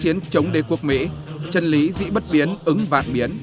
chiến chống đế quốc mỹ chân lý dĩ bất biến ứng vạn biến